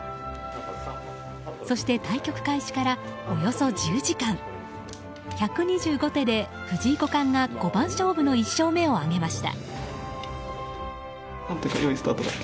そして対局開始からおよそ１０時間１２５手で、藤井五冠が五番勝負の１勝目を挙げました。